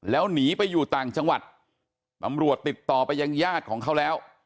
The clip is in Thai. แล้วหนีไปอยู่ต่างจังหวัดตำรวจติดต่อไปยังญาติของเขาแล้ว